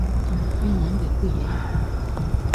越南北部也有。